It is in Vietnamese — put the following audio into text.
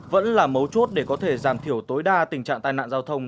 vẫn là mấu chốt để có thể giảm thiểu tối đa tình trạng tai nạn giao thông